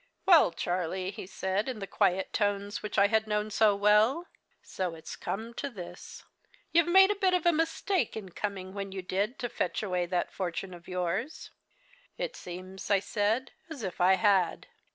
"'Well, Charlie,' he said, in the quiet tones which I had known so well, 'so it's come to this. You made a bit of a mistake in coming when you did to fetch away that fortune of yours.' "'It seems,' I said, 'as if I had.'